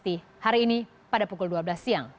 di hari ini pada pukul dua belas siang